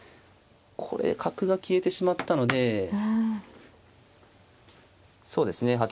これ角が消えてしまったのでそうですね